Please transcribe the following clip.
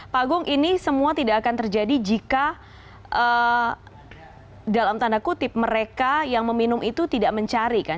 pak agung ini semua tidak akan terjadi jika dalam tanda kutip mereka yang meminum itu tidak mencari kan